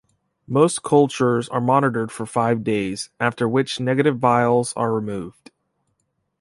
Most cultures are monitored for five days, after which negative vials are removed.